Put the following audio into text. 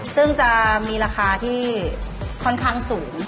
ซึ่งจะมีราคาที่ค่อนข้างสูง